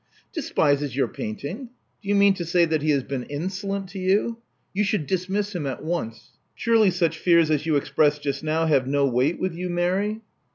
Despises your painting! Do you mean to say that he has been insolent to you? You should dismiss him at once. Surely such fears as you expressed just now have no weight with you, Mary?"